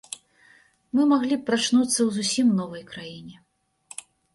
Мы маглі б прачнуцца ў зусім новай краіне.